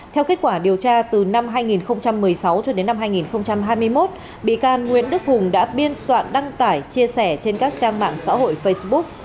theo kết quả điều tra từ năm hai nghìn một mươi sáu cho đến năm hai nghìn hai mươi một bị can nguyễn đức hùng đã biên soạn đăng tải chia sẻ trên các trang mạng xã hội facebook